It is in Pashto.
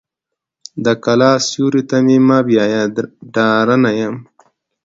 د کلا سیوري ته مې مه بیایه ډارنه یم.